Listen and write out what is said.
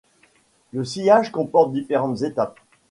Le sciage comporte différentes étapes.